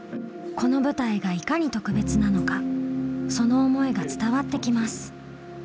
この舞台がいかに特別なのかその思いが伝わってきます。